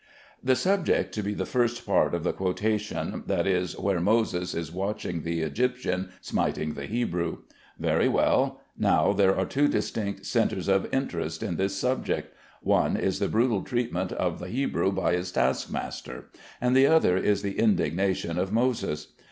The subject to be the first part of the quotation, that is, where Moses is watching the Egyptian smiting the Hebrew. Very well. Now there are two distinct centres of interest in this subject. One is the brutal treatment of the Hebrew by his taskmaster, and the other is the indignation of Moses.